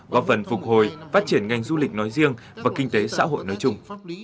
góp phần phục hồi phát triển ngành du lịch nói riêng và kinh tế xã hội nói chung